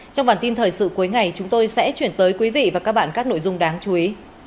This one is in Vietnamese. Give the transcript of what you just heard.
trong bản tin thời sự cuối ngày chúng tôi sẽ chuyển tới quý vị và các bạn các nội dung đáng chú ý